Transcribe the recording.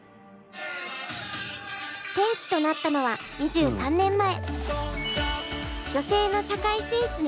転機となったのは２３年前。